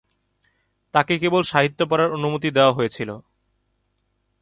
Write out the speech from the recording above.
তাকে কেবল সাহিত্য পড়ার অনুমতি দেওয়া হয়েছিল।